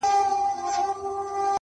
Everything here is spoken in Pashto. هسي نه چي یې یوې خواته لنګر وي.!